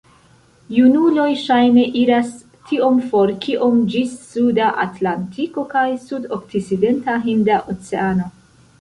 Junuloj ŝajne iras tiom for kiom ĝis suda Atlantiko kaj sudokcidenta Hinda Oceano.